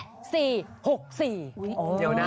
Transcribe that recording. เดี๋ยวนะ